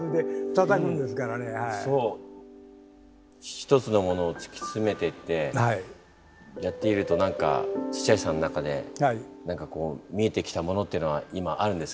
１つのものを突き詰めてってやっていると何か土橋さんの中で何かこう見えてきたものっていうのは今あるんですか？